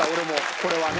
これはね。